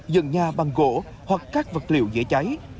dựng nhà bằng gỗ hoặc các vật liệu dễ cháy